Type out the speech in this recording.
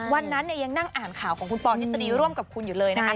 วันนั้นยังนั่งอ่านข่าวของคุณปอทฤษฎีร่วมกับคุณอยู่เลยนะคะ